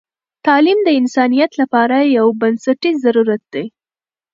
تعلیم د انسانیت لپاره یو بنسټیز ضرورت دی.